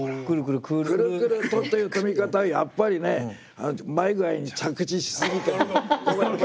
「くるくると」っていう組み方やっぱりねうまい具合に着地しすぎて。